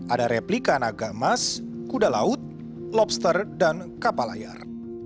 ada replika naga emas kuda laut lobster dan kapal layar